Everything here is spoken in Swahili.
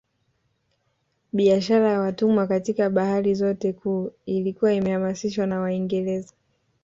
Biashara ya watumwa katika bahari zote kuu ilikuwa imeharamishwa na Waingereza